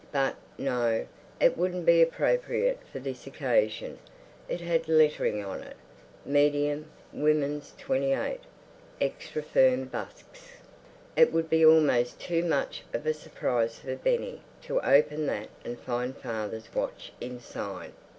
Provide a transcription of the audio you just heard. But, no, it wouldn't be appropriate for this occasion. It had lettering on it: Medium Women's 28. Extra Firm Busks. It would be almost too much of a surprise for Benny to open that and find father's watch inside.